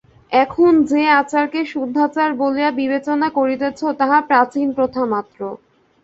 এখন যে-আচারকে শুদ্ধাচার বলিয়া বিবেচনা করিতেছে, তাহা প্রাচীন প্রথামাত্র।